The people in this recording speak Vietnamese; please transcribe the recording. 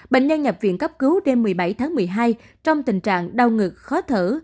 bệnh nhân nhập viện cấp cứu đêm một mươi bảy tháng một mươi hai trong tình trạng đau ngực khó thở